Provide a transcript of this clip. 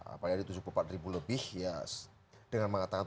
apalagi ada tujuh puluh empat lebih ya dengan mengatakan tujuh puluh empat